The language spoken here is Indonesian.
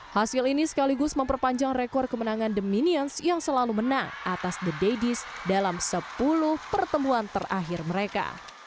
hasil ini sekaligus memperpanjang rekor kemenangan the minions yang selalu menang atas the daddies dalam sepuluh pertemuan terakhir mereka